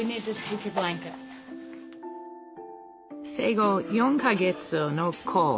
生後４か月のコウ。